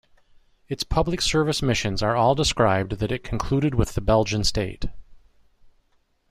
Its public service missions are all described that it concluded with the Belgian State.